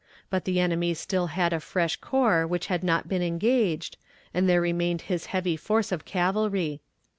But the enemy still had a fresh corps which had not been engaged, and there remained his heavy force of cavalry.